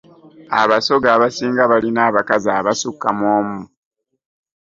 Abasoga abasinga balina abakazi abasukka mu omu.